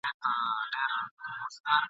یوه بله کښتۍ ډکه له ماهیانو !.